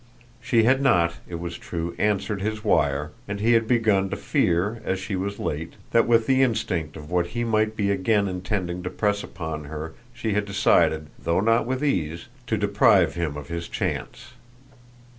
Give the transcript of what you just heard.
She had not, it was true, answered his wire, and he had begun to fear, as she was late, that with the instinct of what he might be again intending to press upon her she had decided though not with ease to deprive him of his chance.